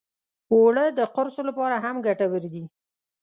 اوړه د قرصو لپاره هم ګټور دي